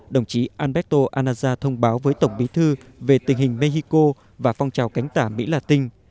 đồng chí alberto anara thông báo với tổng bí thư về tình hình mexico và phong trào cánh tả mỹ latinh